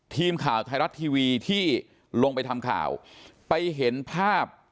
ทีมข่าวไทยรัฐทีวีที่ลงไปทำข่าวไปเห็นภาพ